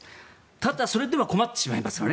ただ、それでは困ってしまいますね。